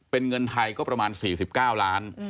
เป็นเงินไทยก็ประมาณ๔๙ล้าน